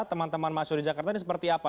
teman teman mahasiswa di jakarta ini seperti apa